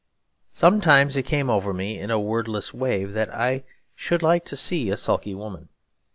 Sometimes it came over me, in a wordless wave, that I should like to see a sulky woman.